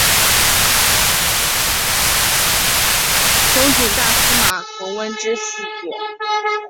东晋大司马桓温之四子。